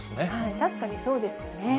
確かにそうですよね。